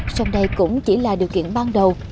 song đây cũng chỉ là điều kiện ban đầu